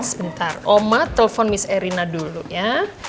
sebentar oma telpon mis erina dulu ya